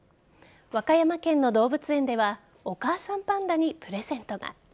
和歌山県の動物園ではお母さんパンダにプレゼントが。